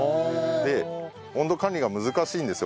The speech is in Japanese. で温度管理が難しいんですよ